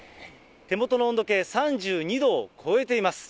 手元の温度計、３２度を超えています。